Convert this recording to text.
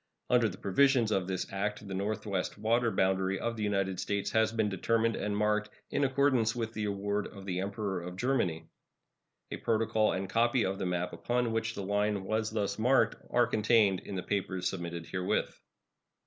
Under the provisions of this act the northwest water boundary of the United States has been determined and marked in accordance with the award of the Emperor of Germany. A protocol and a copy of the map upon which the line was thus marked are contained in the papers submitted herewith.